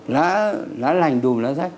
lá lành đùm lá rách